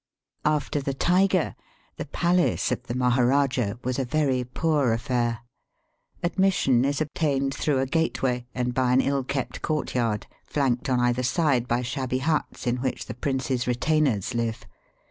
After the tiger the palace of the Maharajah was a very poor affair. Admission is obtained through a gateway and by an ill kept court yard, flanked on either side by shabby huts in which the prince's retainers live.